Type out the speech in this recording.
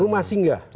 rumah singgah akhirnya